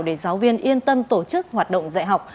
để giáo viên yên tâm tổ chức hoạt động dạy học